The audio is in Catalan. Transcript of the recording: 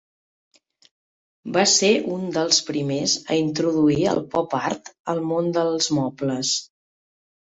Va ser un dels primers a introduir el pop art al món dels mobles.